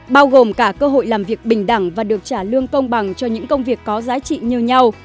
bao gồm cả cơ hội làm việc bình đẳng và được trả lương công bằng cho những công việc có giá trị như nhau